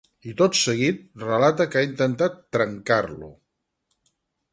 I tot seguit, relata que ha intentat ‘trencar-lo’.